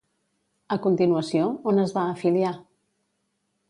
A continuació, on es va afiliar?